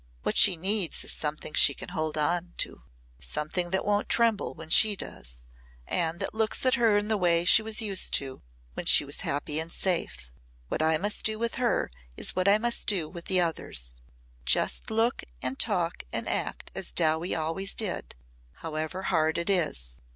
What she needs is something she can hold on to something that won't tremble when she does and that looks at her in the way she was used to when she was happy and safe. What I must do with her is what I must do with the others just look and talk and act as Dowie always did, however hard it is.